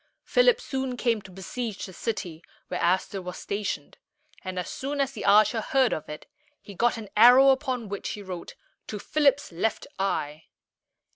Philip soon came to besiege the city where Aster was stationed; and as soon as the archer heard of it, he got an arrow upon which he wrote, "To Philip's left eye."